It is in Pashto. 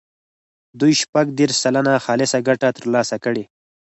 دوی شپږ دېرش سلنه خالصه ګټه ترلاسه کړي.